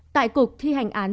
tại cuộc thi hành án